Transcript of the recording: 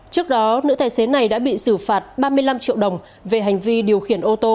trước đó nữ tài xế này đã bị xử phạt ba mươi năm triệu đồng về hành vi điều khiển ô tô